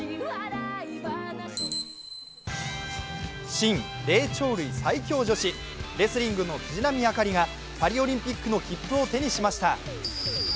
新霊長類最強女子、レスリングの藤波朱理がパリオリンピックの切符を手にしました。